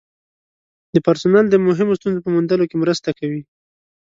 د پرسونل د مهمو ستونزو په موندلو کې مرسته کوي.